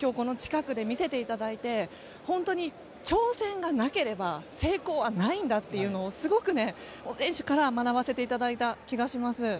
今日近くで見せていただいて本当に挑戦がなければ成功はないんだというのをすごく選手から学ばせていただいた気がします。